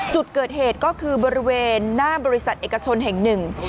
จุดเกิดเหตุก็คือบริเวณหน้าบริษัทเอกชนแห่งหนึ่ง